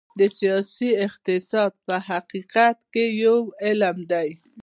سیاسي اقتصاد په حقیقت کې یو علم دی.